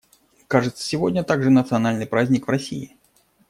Кажется, сегодня также национальный праздник в России.